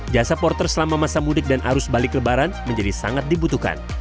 jasa porter selama masa mudik dan arus balik lebaran menjadi sangat dibutuhkan